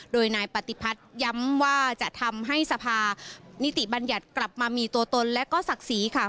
โดยนายปฏิพัฒน์ย้ำว่าจะทำให้สภานิติบัญญัติกลับมามีตัวตนและก็ศักดิ์ศรีค่ะ